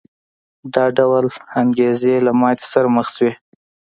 دا ډول انګېزې له ماتې سره مخ شوې.